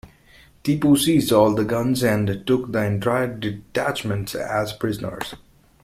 Tipu seized all the guns and took the entire detachment as prisoners.